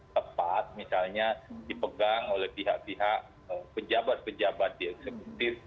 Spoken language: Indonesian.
tepat misalnya dipegang oleh pihak pihak pejabat pejabat di eksekutif